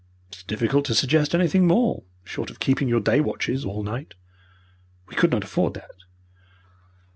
"It is difficult to suggest anything more short of keeping your day watches all night." "We could not afford that."